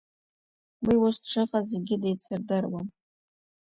Уи ус дшыҟаз зегьы деицырдыруан.